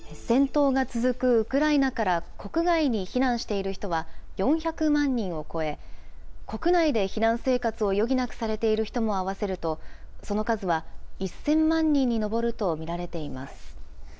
戦闘が続くウクライナから国外に避難している人は４００万人を超え、国内で避難生活を余儀なくされている人も合わせると、その数は１０００万人に上ると見られています。